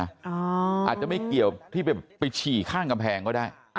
อาจจะไม่เกี่ยวที่ไปฉี่ข้างกำแพงก็ได้